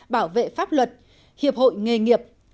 bảo vệ pháp luật hiệp hội nghề nghiệp